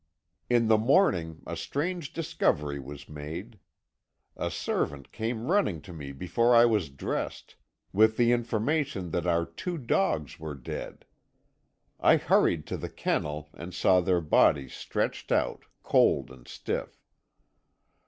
"In the morning a strange discovery was made. A servant came running to me before I was dressed, with the information that our two dogs were dead. I hurried to the kennel and saw their bodies stretched out, cold and stiff.